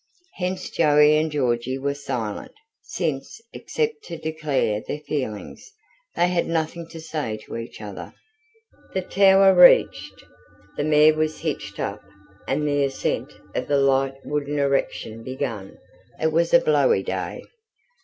Hence Joey and Georgy were silent, since, except to declare their feelings, they had nothing to say to each other. The Tower reached, the mare was hitched up and the ascent of the light wooden erection began. It was a blowy day.